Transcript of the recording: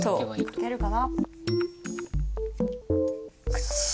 書けるかな？